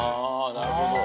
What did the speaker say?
なるほどね。